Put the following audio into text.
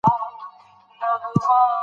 علم د انسان استعدادونو ته وده ورکوي.